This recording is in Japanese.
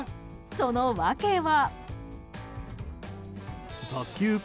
その訳は。